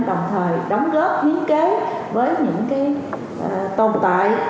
đồng thời đóng góp hiến kế với những tồn tại